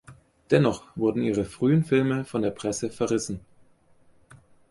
Dennoch wurden ihre frühen Filme von der Presse verrissen.